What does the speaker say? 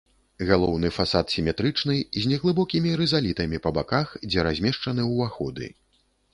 Галоўны фасад сіметрычны, з неглыбокімі рызалітамі па баках, дзе размешчаны ўваходы.